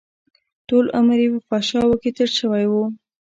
ټول عمر يې په فحشاوو کښې تېر شوى و.